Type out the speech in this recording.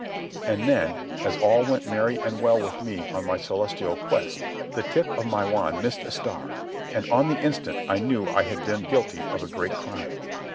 And then, as all went merry and well with me on my celestial quest, the tip of my wand missed a star, and on the instant I knew I had been guilty of a great crime.